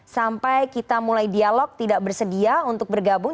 sampai kita mulai dialog tidak bersedia untuk bergabung